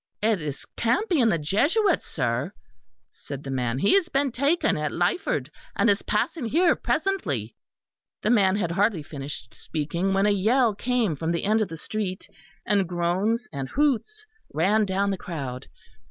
"It is Campion, the Jesuit, sir," said the man. "He has been taken at Lyford, and is passing here presently." The man had hardly finished speaking when a yell came from the end of the street, and groans and hoots ran down the crowd.